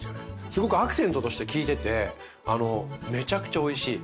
すごくアクセントとして効いててめちゃくちゃおいしい。